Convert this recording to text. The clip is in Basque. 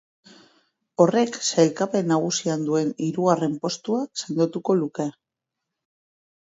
Horrek sailkapen nagusian duen hirugarren postua sendotuko luke.